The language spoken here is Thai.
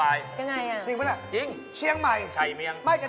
ครับผมปลาไหนมาปลาไหนใหม่ครับผม